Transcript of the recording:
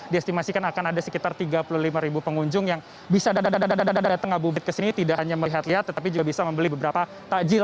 diestimasikan akan ada sekitar tiga puluh lima ribu pengunjung yang bisa datang ke sini tidak hanya melihat lihat tetapi juga bisa membeli beberapa takjil